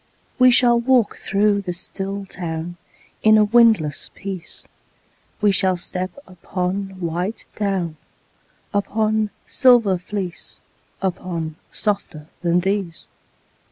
We shall walk through the still town In a windless peace; We shall step upon white down, Upon silver fleece, Upon softer than these.